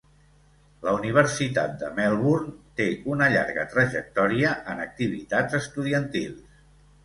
La Universitat de Melbourne té una llarga trajectòria en activitats estudiantils.